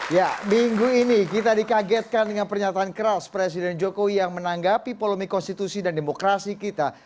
ya minggu ini kita dikagetkan dengan pernyataan keras presiden jokowi yang menanggapi polomi konstitusi dan demokrasi kita